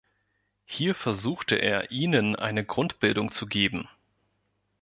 Hier versuchte er, ihnen eine Grundbildung zu geben.